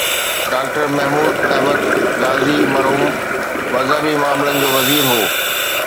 Doctor Mahmood Ahmad Ghazi مرحوم مذهبي معاملن جو وزير هو.